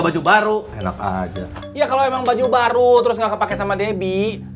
baju baru enak aja ya kalau emang baju baru terus nggak kepake sama debbie